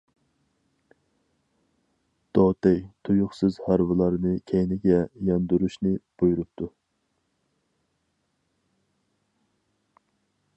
دوتەي تۇيۇقسىز ھارۋىلارنى كەينىگە ياندۇرۇشنى بۇيرۇپتۇ.